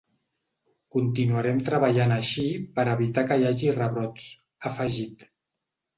Continuarem treballant així per evitar que hi hagi rebrots, ha afegit.